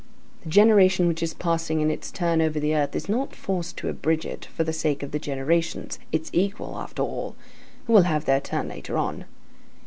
The generation which is passing in its turn over the earth, is not forced to abridge it for the sake of the generations, its equal, after all, who will have their turn later on.